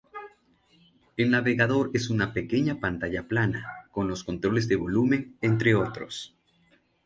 El navegador es una pequeña pantalla plana, con los controles de volumen, entre otros.